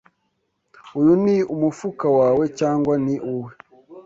Uyu ni umufuka wawe cyangwa ni uwe?